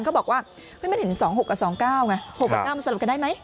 เขาบอกว่ามันเห็น๖กับ๒๙๖กับ๒๙สะหรับกันได้มั้ย